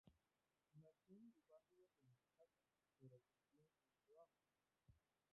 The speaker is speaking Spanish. Nació en el barrio de Manhattan, pero creció en el Bronx.